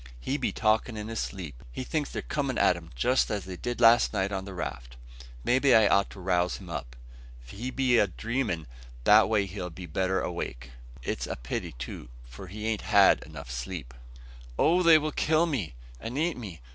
"He be talkin' in his sleep. He thinks they're comin' at him just as they did last night on the raft! Maybe I ought to rouse him up. If he be a dreamin' that way he'll be better awake. It's a pity, too, for he an't had enough sleep." "Oh! they will kill me and eat me.